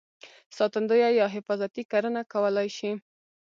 ساتندویه یا حفاظتي کرنه کولای شي.